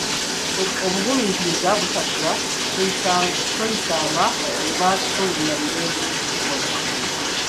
Obugumiikiriza busasula toyisanga bwoba nga towulira mirembe okukikola.